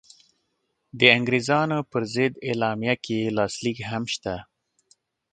د انګرېزانو پر ضد اعلامیه کې یې لاسلیک هم شته.